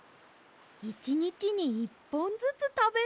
いちにちに１ぽんずつたべれば。